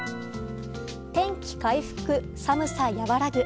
天気回復、寒さ和らぐ。